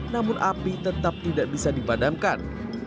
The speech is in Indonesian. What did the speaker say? namun api tetap tidak bisa dipadamkan